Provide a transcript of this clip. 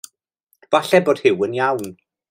Efallai bod Huw yn iawn.